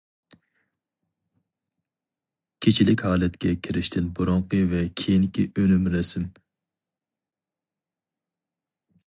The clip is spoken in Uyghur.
كېچىلىك ھالەتكە كىرىشتىن بۇرۇنقى ۋە كېيىنكى ئۈنۈم رەسىم.